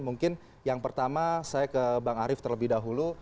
mungkin yang pertama saya ke bang arief terlebih dahulu